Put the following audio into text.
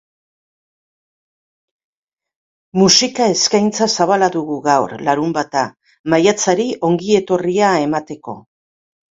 Musika eskaintza zabala dugu gaur, larunbata, maiatzari ongi etorria emateko.